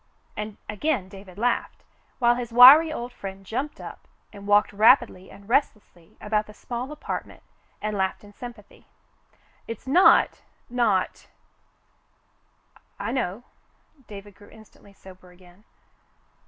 And again David laughed, while his wiry old friend jumped up and walked rapidly and restlessly about the small apartment and laughed in sympathy. "It's not — not —" "I know." David grew instantly sober again.